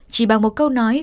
chỉ bằng một câu nói